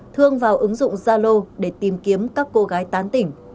thương vào ứng dụng zalo để tìm kiếm các cô gái tán tỉnh